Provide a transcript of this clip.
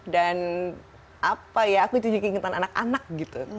dan apa ya aku juga inget anak anak gitu